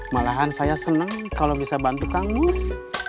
malahan saya seneng kalau bisa bantu kang mus